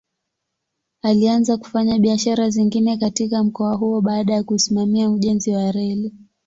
Alianza kufanya biashara zingine katika mkoa huo baada ya kusimamia ujenzi wa reli.